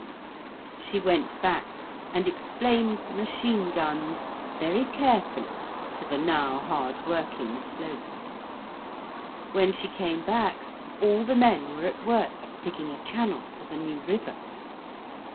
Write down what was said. ] She went back and explained machine guns very carefully to the now hard working Sloth. When she came back all the men were at work digging a channel for the new river.